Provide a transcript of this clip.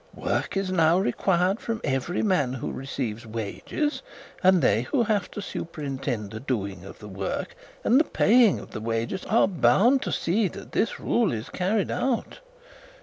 Work is now required from every man who receives wages; and they who have superintended the doing of the work, and the paying of the wages, are bound to see that this rule is carried out.